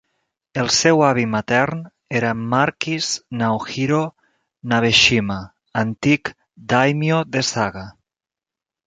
El seu avi matern era Marquis Naohiro Nabeshima, antic dàimio de Saga.